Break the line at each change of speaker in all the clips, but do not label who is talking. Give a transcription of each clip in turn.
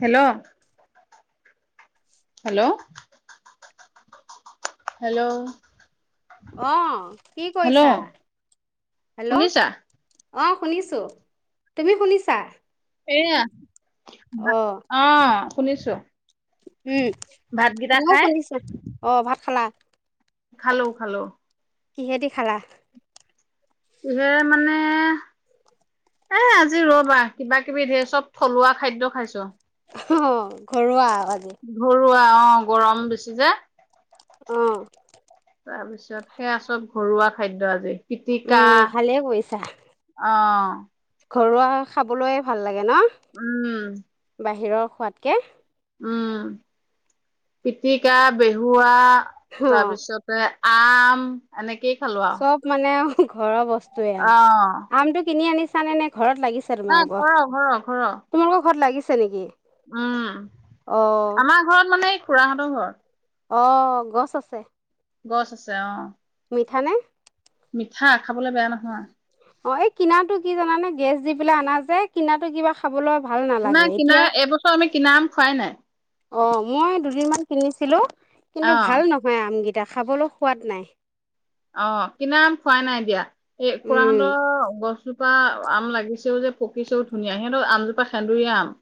Hello, hello, hello
অহ, কি কৰিছা? হেল্ল'
শুনিছা?
অ' শুনিছো, তুমি শুনিছা?
এয়া
অঁ
অ'। শুনিছোঁ।
উম, মইয়ো শুনিছোঁ, অ', ভাত খালা?
খালো, খালো।
কিহেদি খালা?
কিহেৰে মানে, এ আজি ৰ'বা কিবা-কিবি ধেৰ চব থলুৱা খাদ্য খাইছোঁ।
অ' ঘৰুৱা আজি
ৰুৱা অ', গৰম বেছি যে
অ'।
তাৰ পিছত, সেয়া চব ঘৰুৱা খাদ্য আজি। পিতিকা
উম ভালেই কৰিছা
অ'। [unintelligible]
ঘৰুৱা খাবলৈয়ে ভাল লাগ গে,
উম
ন বাহিৰৰ খোৱাতকে।
উম, পিতিকা, বেহুৱা
অঁ
তাৰপিছতে আম এনেক
চব মানে ঘৰৰ বস্তুয়েই
অ'
আৰু আমটো কিনি আনি আনেনে ঘৰত লাগিছে
নাই
তোমালোকৰ,
ঘৰৰ ঘৰৰ ঘৰৰ
তোমালোকৰ ঘৰত লাগিছ আছে নেকি?
উম,
অঁ
আমাৰ ঘৰত মানে খুৰাহঁতৰ ঘৰত।
অ', গছ আছে।
গছ আছে, অ'।
মিঠা নে?
মিঠা। খাবলে বেয়া নহয়।
অ', এই কিনাৰ টো কি জানানে গেছ দি পেলাই অনা যে, কিনাৰ টো কিবা খাবলৈ ভাল নালাগে
নাই কিনা,
এতিয়া
এইবছৰ আমি কিনা আম খোৱাই নাই।
অ', মই দুদিনমান কিনিছিলোঁ। কিন্তু
অ
ভাল নহয় আম গিত দে খাবলৈ সোৱাদ নাই।
অ', কিনা আম খুৱা নাই দিয়া। এই
উম
খুৰাহঁতৰ গছজোপা আম লাগিছেও যে পকিছেও ধুনীয়া, সিহঁতৰ আমজোপা সেন্দুৰীয়া আম।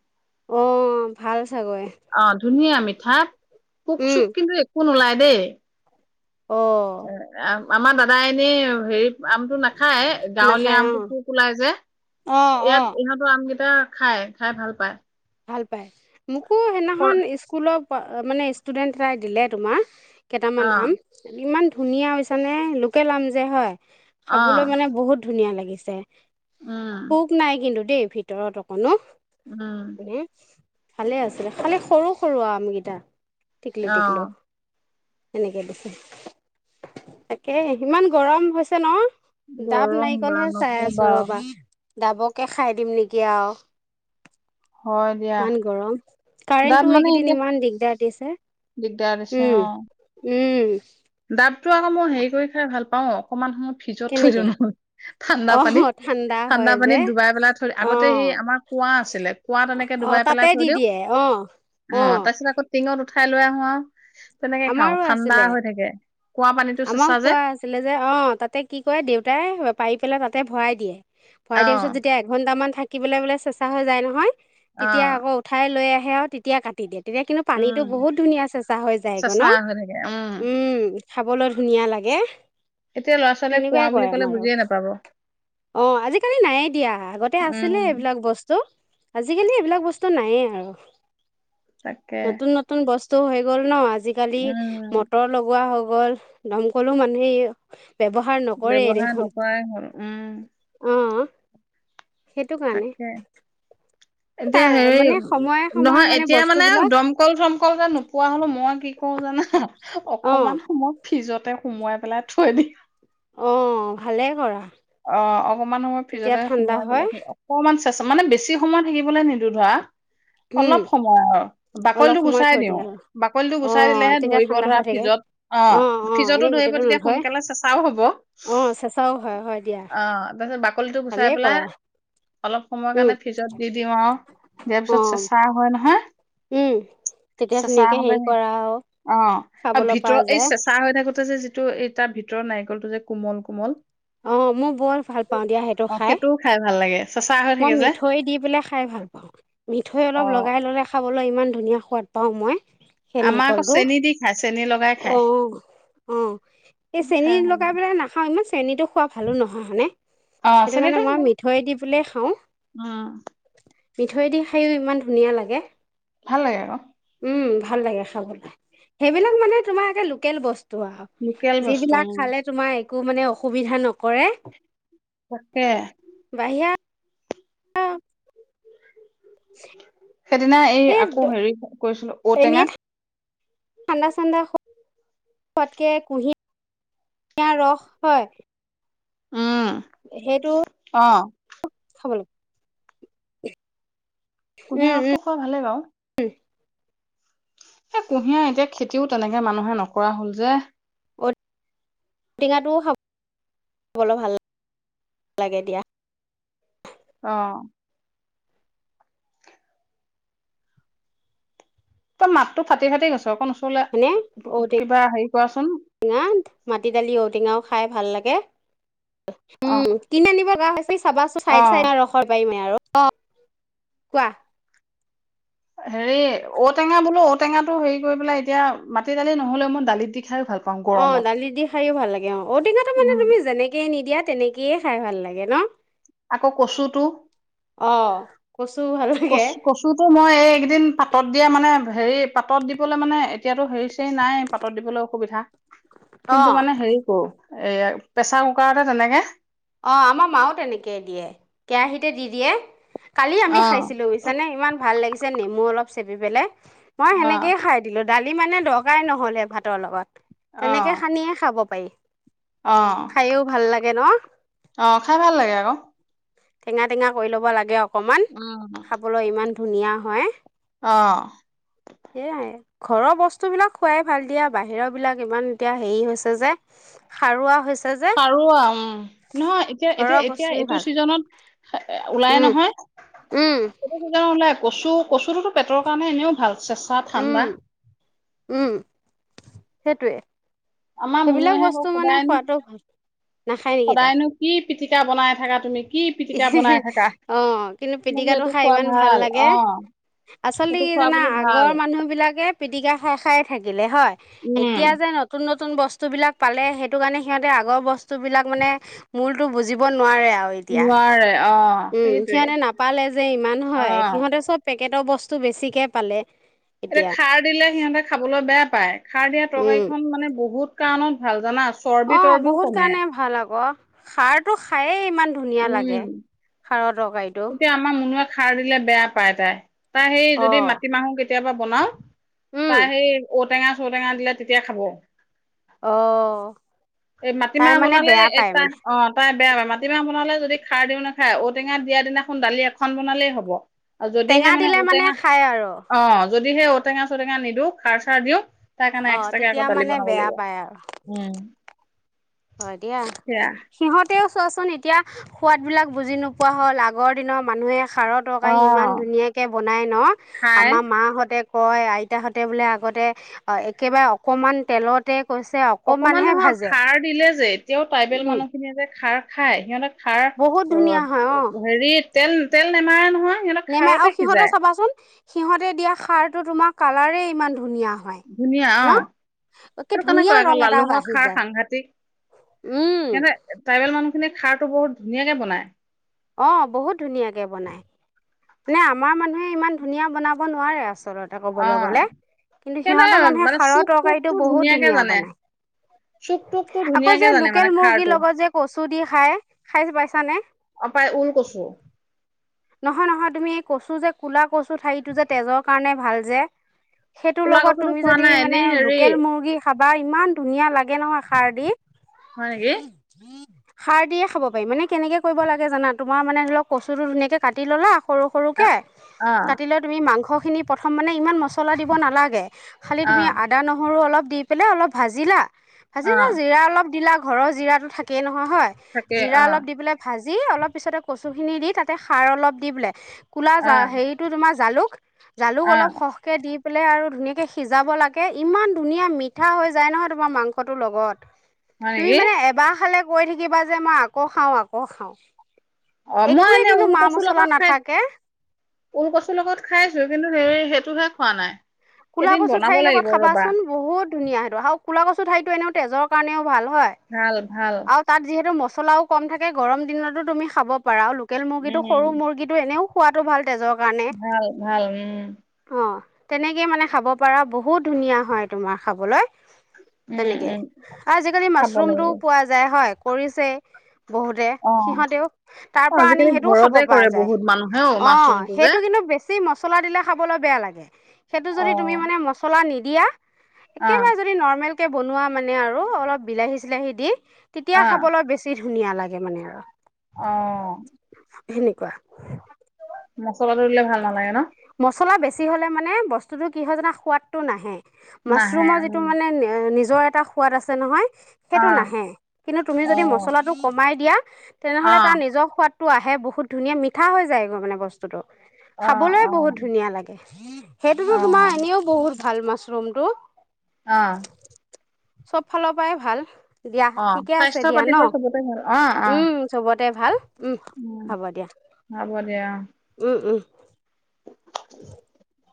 অ', ভাল চাগৈ।
ধত,
উম
পুক-চুক কিন্তু একো নোলায় [inaudible]
অ'
আমাৰ দাদা এনেই হেৰি আমটো নাখায়, গাঁৱলীয়া
নাখায় অ
আমটো পোক ওলাই যে,
অ অ
ইয়াত ইহঁতৰ আম কেইটা এতিয়া খায়, খাই ভাল পায়।
ভাল পায় মুকু
অ
সেইদিনাখন স্কুলত মানে ষ্টুডেণ্ট এটাই দিলে তোমাক কেইটামান আম ইমান ধুনীয়া হৈছেনে লোকেল আম যে হয়
অ
খাবলৈ মানে বহুত ধুনীয়া লাগিছে
উম
পোক নাই কিন্তু দেই ভিতৰত অকণ ন
উম
[inaudible] ভালে আছিলে খালি সৰু সৰু আমকেইটা। টিকলো টিকলো
অ'
সেনেকে দিছে। তাকে ইমান গৰম হৈছে ন? দাব
গৰম বা
নাৰিকলহে চাই আছো
নকবা
ৰবা দাবকে খাই দিম নেকি আৰু
হয় দিয়া
ইমান গৰম
দাঁত
কাৰেণ্টটো
মানে
এইকেইদিন
এতিয়া
ইমান দিগদাৰ দিছে।
দিগদাৰ
উম! উম!
দাব এটো আকৌ মই হেৰি কৰি খাই ভাল অ' অকনমান সময় ফ্ৰীজত থৈ দিও
কেনেকে
নহয় ঠাণ্ডা
অ
পানীত ঠাণ্ডা
হয় যে
পানীত ডুবাই পেলাই থৈ দি।
অ
আগতে সি আমাৰ কুঁৱা আছিলে কুঁৱাত তেনেকে
অ
ডুবাই পেলাই
তাতে
থৈ
দি
দিওঁ।
দিয়ে অ
অ' তাৰ পিছত আকৌ টিঙত উঠাই লৈ আ হো আও। তেনেকে খাওঁ ঠাণ্ডা হৈ থাকে। কুঁৱা পানীটো
আমাও
চেঁচা যে
কোৱা আছিলে যে অ তাতে কি কয় দেউতাই পাৰি পেলাই তাতে ভৰাই দিয়ে। ভৰাই দিয়াৰ
অ'
পিছত যেতিয়া এঘন্টামান থাকিবলৈ বোলে চেচা হৈ যায় নহয়। তেতিয়া
অ'
আকৌ উঠাই লৈ আহে। আহে আৰু তেতিয়া কাটি দিয়ে। তেতিয়া কিন্তু পানীটো বহুত ধুনীয়া চেচাঁ হৈ যা
চেচা আ হৈ থাকে উম।
খাবলৈ ধুনীয়া লাগে।
এতিয়া ল'ৰা ছোৱালীয়ে কুঁৱা
তেনেকুৱাই
বুলি
কৰে
ক'লে
আমাৰ গাঁৱত।
বুজিয়ে নাপাব
অ আজিকালি নায়ে দিয়া আগতে আছিলে
উম
এইবিলাক বস্তু। আজিকালি এইবিলাক বস্তু নায়েই আৰু।
তাকে
নতুন নতুন বস্ত তো হৈ গ'ল ন আজ আজিকালি
উম
মটৰ লগোৱা হক আগৰ দমকলো মানুহে ইয়া ব্যৱহাৰ নকৰে
ব্যৱহাৰ
দেখোন।
নকৰাই হ'ল উম
অ'। সেইটো কাৰণে।
তাকে। এতিয়া
তাই
হেৰি
মানে সময়ে সময়ে
নহয় এতিয়া মানে
বস্তুবিলাক
দমকল চমকল যে নোপোৱা হলো মই কি কৰোঁ জানা
অ
অকমান সময় ফ্ৰীজত। তাতে সোমোৱাই পেলাই থৈ দিম।
অ' ভালে কৰা।
অ' অকনমান সময়
তেতিয়া
ফ্ৰীজতে
ঠাণ্ডা
সোমোৱাই
হয়
পেলায় অকনমান চেচাঁ মানে বেছি সময় থাকিবলৈ নিদি ও ধৰা।
উম
অলপ সময় আৰু
অলপ
বাকলিটো
সময়
গুচাই
থৈ
দিওঁ
দিয়া আৰু
বাকলিটো
অ
গুচাই দিলেহে
তেতিয়া
ধৰিব
ঠাণ্ডা
ধৰা
হৈ থাকে
ফ্ৰীজত অ' ফ্ৰীজতো
এনেই
ধৰিব
গোটেইটো
তেতিয়া
নধয়
সোনকালে চেঁচাও হ'ব।
অ চেঁচাও হয় হয় দিয়া
অ তাৰপিছত বাকলিটো গুচাই
ভালেই
পেলাই
কৰা
অলপ সময়ৰ
উম
কাৰণে ফ্ৰীজত দি দিওঁ আৰু দিয়াৰ
অ
পিছত চেচাঁ হয় নহয়? হা?
উম, তেতিয়া ধুনীয়াকে হেৰি
সেই
কৰা আৰু
অ আৰু
খাবলৈ পৰা
ভিতৰত এই
যায়
চেঁচা হৈ থাকোতে অৱশ্যে যিটো এই তাৰ ভিতৰ নাৰিকলটো যে কোমল কোমল
অ। মই বৰ ভাল পাওঁ দিয়া সেইটো
অ
খাই।
সেইটোও ভাল লাগে চেঁচা হৈ
মই
থাকে যে
মিঠৈ দি পেলাই খাই ভাল পাওঁ, মিঠৈ
অ
অলপ লগাই ললে খাবলৈ ইমান ধুনীয়া খোৱাদ পাওঁ মই। সেই
আমাৰ আকৌ
নাৰিকলটো
চেনি দি খাই চেনি লগাই খাই
অ' এই চেনী
খাই ভাল
লগাই পেলাই নাখাওঁ। চেনীটো খোৱা ভালো নহয়, হয়নে?
অ
সেইটো কাৰণে
চেনিটো
মই মিঠৈ দিম ফুলে খাওঁ।
উম
মিঠৈ দি খায়ও ইমান ধুনীয়া লাগে।
ভাল লাগে আৰু।
উম, ভাল লাগে খাবলৈ সেইবিলাক মানে তোমাৰে একে লোকেল বস্তু। সেই টো আও
লোকেল বস্তু
যিবিলাক
উম
খালে তোমাৰ একো মানে অসুবিধা নকৰে।
তাকে
বাহিৰা [inaudible]
সেইদিনা এই আকৌ হেৰি কৈছিলোঁ ঔ
এনেই
টেঙা
ঠাণ্ডা চাণ্ডা খো তকে কুঁহি এয়া ৰস হয়।
উম
সেইটো,
অ
খাব লাগে।
কুঁহিয়াৰ
উম উম
ৰসটো খোৱাাই ভালেই বাৰু। এ কুঁহিয়াৰ এতিয়া খেতিও তেনেকে মানুহে নকৰা হল যে
ঔটেঙাটোও খাব খাবলৈ ভাল লাগে দিয়া।
আহ। তই মাত ো ফাটি ফাটি গছ ক
হানে ঔটেঙা ঔটেঙা মাটি দালি ঔ টেঙাও খাই ভাল লাগে।
অ
উম, কিনি আনিব লগা হৈ চাবা চোন, চাই
অ
চাই ৰখাব পাৰিমে আৰু অ' কোৱা।
হেৰি ঔ টেঙা বোলো ঔ টেঙাটো হেৰি কৰি পেলাই এতিয়া মাটি দালি নহলেও মই দালিত দি। খাই ভাল পাওঁ
অ'
গৰমত
দালি দি খাই ভাল লাগে অ ঔটেঙাটো মানে
উম,
তুমি যেনেকে নিদিয়া। তেনেকে খাই ভাল লাগে নহ।
আকৌ কচুটো।
কচু ভাল লাগে
কচুটো মই এই কেইদিন পাতত দিয়া মানে। হেৰি পাতত দিবলৈ মানে এতিয়াতো হেৰি চেৰি নাই পাতত দিবলৈ অসুবিধা।
অ
কিন্তু মানে হেৰি কৰোঁ। এইয়া প্ৰেছাৰ কুকাৰতে তেনেকে।
অ আমাৰ মা তেনেকে দিয়ে কেৰাহীতে দি দিয়ে। কালি আমি
অ
খাইছিলো বুজিছনে ইমান ভাল লাগিছে। পিছে নেমু অলপ চেপি পেলাই। মই
অ
সেনেকৈয়ে খাই দিলো। দালি মানে দৰকাৰ নহ'লে ভাতৰ লগত।
অ
তেনেকে শানিয়ে খাব পায়ি
অ
খাইও ভাল লাগে ন?
অ', খাই ভাল লাগে আকৌ।
টেঙা, টেঙা কৰি ল'ব লাগে অক অকমান
উম,
খাবলৈ ইমান ধুনীয়া হয়।
অ'।
সেয়াই ঘৰৰ বস্তু বিলাক খুৱাই ভাল দিয়া বাহিৰৰ বিলাক ইমান এতিয়া হেৰি হৈছে যে, সাৰুৱা হৈছ
সাৰুৱা উম, নহয় এতিয়া, এতিয়া,
ঘৰৰ
এতিয়া
বস্তুখিনি
এইটো
ভাল
চিজনত ওলাই
উম
নহয়,
উম
এইটো চিজনত ওলাই। কচু কচুটো পেটৰ কাৰণে এনেও ভাল। চেঁচা
উম
ঠাণ্ডা।
উম সেইটোৱে।
আমাৰ মুনুয়ে
সেইবিলাক বস্তু মানে
[unintelligible]
খোৱাটো ভাল নাখায় নেকি তাই
সদায়নো কি পিটিকা বনাই থাকা তুমি কি পিটিকা বনাই থাকা
অ', কিন্তু
মই বোলো
পিটিকাটো
এইটো
খাই
খোৱা
ইমান ভাল লাগে,
অ
আচলতে
এইটো
কি
খোৱা
জানা?
বোলো ভাল
আগৰ মানুহ বিলাকে পিটিকা খাই, খাই থাকিলে হয়,
উম
এতিয়া যে, নতুন, নতুন নতুন বস্তুবিলাক পালে সেইটো কাৰণে সিহঁতে আগৰ বস্তুবিলাক মানে মূলটো বুজিব নোৱাৰে আউ
নোৱাৰে অ'।
উম
সেইটোৱে
সিহঁতে নাপালে যে ইমান
অ
হয় সিহঁতে চব। পেকেটৰ বস্তু বেছিকে পালে।
এতিয়া খাৰ দিলে সিহঁতে খাবলৈ বেয়া পায়, খাৰ দিয়া
উম
তৰকাৰীখন মানে বহুত কাৰণত ভাল জানা চৰ্বি
অ'
তৰ্বিও
বহুত
কমে
কাৰণে ভাল আকৌ। খাৰ টো খায়েই
উম,
তৰকাৰীটো
এতিয়া আমাৰ মুনুয়ে খাৰ দিলে বেয়া পায় তাই। তাই হেই
অ
যদি মাটিমাহু কে কেতিয়াবা বনাওঁ
উম
তাই হেই ঔটেঙা ঔটেঙা দিলে, তেতিয়া খাব।
অ
এই
তাই
মাটিমাহ
মানে
বনালে
বেয়া পায় মানে
[unintelligible] অ' তাই বেয়া পায় মাটি মাহ বনালে যদি খাৰ দিওঁ নাখায়, ঔটেঙা দিয়া দিনাখন দালি এখন বনালেই হ'ব। আৰু যদিহে
টেঙা দিলে মানে
ঔটেঙা
খাই আৰু
অ যদিহে ঔটেঙা চৌটেঙা নিদিওঁ, খাৰ চাৰ দিওঁ তাই কাৰণে
অ
এক্সট্ৰাকে
তেতিয়া
আকৌ দালি
মানে
বনাব
বেয়া
লাগিব,
পায় আৰু
উম।
হয় দিয়া, সিহঁ তেও চোৱাচোন এতিয়া সোৱাদবিলাক বুজি নোপোৱা হ'ল, আগৰ দিনৰ মানুহে খাৰৰ
অ
তৰকাৰী ইমান ধুনীয়াকে বনাই ন,
খাই
আমাৰ মাহঁতে কয় আইতাহঁতে বোলে আগতে একেবাৰে অকণমান তেলতে কৈছে
অকমান
অকণমানহে
নহয়
ভাজে
খাৰ দিলে যে এতিয়াও ট্ৰাইবেল
উম
মানুহখিনিয়ে যে খাৰ খাই সিহঁতক খাৰ
বহুত
অ
ধুনীয়া হয়
হেৰিত তেল-তেল নেমাৰে নহয়। সিহঁতক
নেমাৰে
খাৰতে
আৰু সিহঁতৰ
সিজাই
চাবাচোন, সিহঁতে দিয়া খাৰটো তোমাৰ কালাৰেই ইমান ধুনীয়া। হয়
ধুনীয়া
ন
অ'
একে
সেইটো কাৰণে
ধুনীয়া
কয় আকৌ
ৰং এটা
লালুঙৰ
আহি
খাৰ
যায়
সাংঘাতিক,
উম
সিহঁতে ট্ৰাইবেল মানুহ খিনিয়ে খাৰ টো বহুত ধুনীয়াকে বনাই।
অ' বহুত ধুনীয়াকে বনায়। মানে আমাৰ মানুহে ইমান ধুনীয়া বনাব নোৱাৰে আচল কথা
অ
কবলৈ গ'লে কিন্তু
সিহঁতে
সিহঁতৰ মানুহে
মানে
খাৰৰ
চুক
তৰকাৰী
টোকটো
টো বহুত
ধুনীয়াকে
ধুনীয়া
জানে
বনাই,
চুক টোকটো
আকৌ
ধুনীয়াকে
যে
জানে মানে
লোকেল
খাৰটো
মুৰ্গীৰ লগত যে দি খাই, খাই পাইছানে?
অপাই ঊল কছো
নহয় নহয় তুমি কছো যে ক'লা কছো ঠাৰিটো যে তেজৰ কাৰণে ভাল যে সেইটোৰ
কোলা
লগত
কচুটো
তুমি
খোৱা
যদি
নাই
মানে
এনেই হেৰি
লোকেল মুৰ্গী খাবা ইমান ধুনীয়া লাগে াগে নহয় খাৰ দি
হয় নেকি
সাৰ দিয়ে খাব পাৰি মানে কেনেকে কৰিব লাগে তে জানা তোমাৰ মানে ধৰা কচুটো ধুনীয়াকে কাটি‌ ললা সৰু
অ
সৰুকে
অ
কাটি লৈ তুমি মাংস খিনি প্ৰথম মানে ইমান ম চলা দিব নালাগে খালি
অ
তুমি আদা নহৰু অলপ দি পেলাই অলপ ভাজিলা ভাজি
অ
না জিৰা অলপ দিলা ঘৰৰ জিৰাতো থাকেই নহয় হয়
থাকে
জিৰা
অ
অলপ দি পেলায় ভাজি ি অলপ পিছতে কচু খিনি দি তাতে সাৰ অলপ দি বোলে ক'লা
অ
হেৰিটো তোমাৰ জালুক [inaudible] জালুক
অ
অলপ সহকে দি লে আৰু ধুনীয়াকে সিজাব লাগে ইমান ধুনীয়া মিঠা হৈ যায় নহয়, তোমাৰ মাংসটোৰ লগত
হয়
তুমি
নেকি?
মানে এবাৰ খালে কৈ থাকিবা যে মই আকৌ খাওঁ আকৌ খাওঁ। [inaudible]
অ', মই
একোৱে
এনে
কিন্তু মা
ওলকচুৰ
মছলা
লগত খাই
নাথাকে
ওলকচুৰ লগত খাইছো কিন্তু হে সেইটোহে খোৱা নাই।
কলা
এদিন
কচু
বনাব
ঠাৰিৰ লগত
লাগিব ৰ'বা
খাবাচোন বহুত ধুনীয়া সেইটো আৰু কুলা ঠায়িটো এনেও তেজৰ কাৰণেও ভাল হয়,
ভাল ভাল
আৰু তাত যিহেতু মচ চলাও কম থাকে গৰম দিনতো তুমি খাব পাৰা আৰু লোকেল মুৰ্গীটো
উম
সৰু মুৰ্গীটো এনেও পোৱাটো ভাল তেজৰ কাৰণে,
ভাল ভাল উম
অ'। [inaudible] মানে খাব পাৰা বহুত ধুনীয়া হয়, তোমাৰ খাবলৈ
উম
তেনেকে
উম
আৰু আজিকালি
খাব
মাছৰুমতটো
লাগিব
পোৱা যায়, হয়। কৰিছে বহুতে,
অ
সিহঁতেও তাৰ
অ
পৰা আনি
আজিকালি
সেইটোও খাব
ঘৰতে
পৰা
কৰে
যায়।
বহুত মানুহে
অ',
মাছৰুমটো যে
সেইটো কিন্তু বেছি চি মছলা দিলে খাবলৈ বেয়া লাগে। সেইটো
অ
যদি তুমি মানে মছলা নি দিয়া
অ
একেবাৰে যদি নৰ্মেল কে বনোৱা মানে আৰু অলপ বিলাহী-চিলাহী দি
অ
তেতিয়া খাবলৈ বেছি ধুনীয়া লাগে মানে আৰু
অ'
সেনেকুৱা
মছলাটো দিলে ভাল নালাগে ন?
মছলা বেছি হ'লে মানে বস্তুতো কি হয় জানা সোৱাদটো নাহে।
নাহে
মাছৰুমৰ যিটো
উম
মানে এ-নি [inaudible] এটা সোৱাদ আছে নহয়।
অ
সেইটো নাহে, কিন্তু তুমি
অ
যদি মছলাটো কমাই দিয়া
অ
তেনেহ'লে তাৰ নিজৰ সোৱাদ টো আহে বহুত ধুনীয়া মিঠা হৈ যায় ম-মানে বস্তুটো।
অ,
খাবলৈ
অ'
বহুত ধুনীয়া লাগে, সেইটোতো
অ
তোমাৰ এনেও বহুত ভাল মাছ। ৰুমটো
আহ
সব ফালৰ পৰাই ভাল। দিয়া
অ',
ঠিকে আছে
স্বাস্থ্যৰ
দিয়া
[inaudible] সবতে ভাল অ' অ'
তাই ভাল উম, হ'ব দিয়া।
হ'ব দিয়া অ
উম, উম [inaudible]